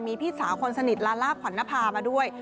มีพี่สาวคนสนิทลาล่าขวัญนภามาด้วย